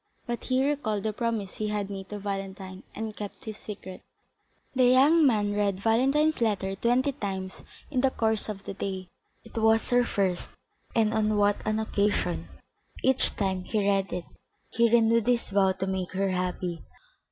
But he recalled the promise he had made to Valentine, and kept his secret. The young man read Valentine's letter twenty times in the course of the day. It was her first, and on what an occasion! Each time he read it he renewed his vow to make her happy.